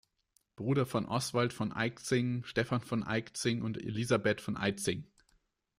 Bruder von Oswald von Eyczing, Stephan von Eyczing und Elisabeth von Eitzing.